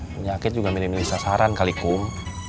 penyakit juga milih milih sasaran kali kum